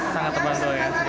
sangat terbantu ya